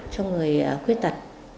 cho người khuyết tật